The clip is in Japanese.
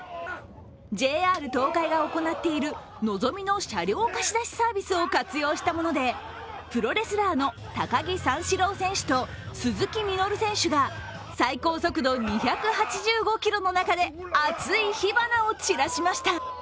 ＪＲ東海が行っているのぞみの車両貸し出しサービスを活用したもので、プロレスラーの高木三四郎選手と鈴木みのる選手が最高速度２８５キロの中で熱い火花を散らしました。